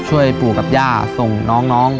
ช่วยปู่กับย่าส่งน้อง